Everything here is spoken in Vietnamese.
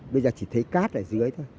bây giờ chỉ thấy cát ở dưới thôi